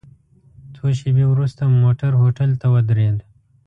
څو شېبې وروسته مو موټر هوټل ته ودرید.